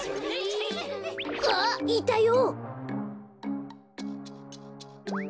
あっいたよ！